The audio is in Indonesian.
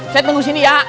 saya tunggu sini ya